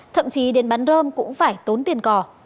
thậm chí đến bán rơm cũng phải tốn tiền cò